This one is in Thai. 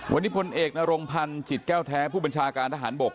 วันนี้พลเอกนรงพันธ์จิตแก้วธรรมชาติการทหารบก